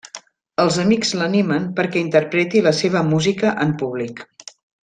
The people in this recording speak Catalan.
Els amics l'animen perquè interpreti la seva música en públic.